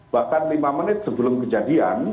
bahkan lima menit sebelum kejadian